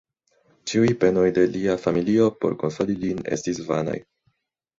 Ĉiuj penoj de lia familio, por konsoli lin, estis vanaj.